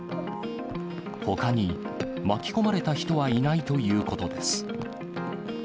ほかに巻き込まれた人はいないということです。